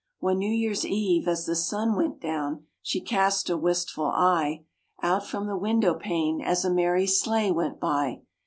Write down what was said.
One New Year's Eve as the sun went down, she cast a wistful eye Out from the window pane as a merry sleigh went by.